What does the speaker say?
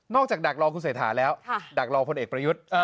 จากดักรอคุณเศรษฐาแล้วดักรอพลเอกประยุทธ์